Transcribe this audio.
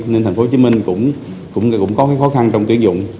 nên thành phố hồ chí minh cũng có khó khăn trong tuyển dụng